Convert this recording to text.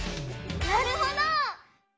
なるほど！